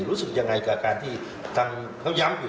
รู้สึกอย่างไรกับการที่เขาย้ำอยู่